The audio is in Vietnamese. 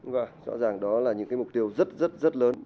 và rõ ràng đó là những cái mục tiêu rất rất lớn